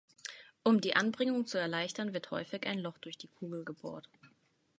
Um die Anbringung zu erleichtern, wird häufig ein Loch durch die Kugel gebohrt.